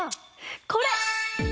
これ！